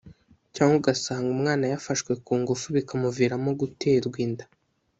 cyangwa ugasanga umwana yafashwe ku ngufu bikamuviramo guterwa inda